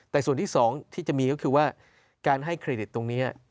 แต่ส่วนที่สองที่จะมีก็คือว่าการให้เครดิตตรงนี้